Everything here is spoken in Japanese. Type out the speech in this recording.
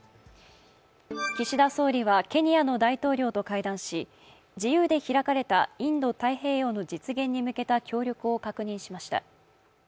岸田総理はケニアの大統領と会談し自由で開かれたインド太平洋の実現に向けた協力を確認しました。